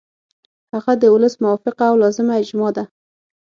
هغه د ولس موافقه او لازمه اجماع ده.